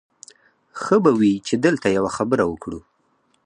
ښه به وي چې دلته یوه خبره وکړو